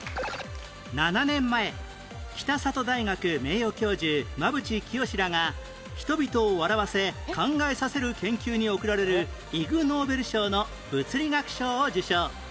７年前北里大学名誉教授馬渕清資らが人々を笑わせ考えさせる研究に贈られるイグ・ノーベル賞の物理学賞を受賞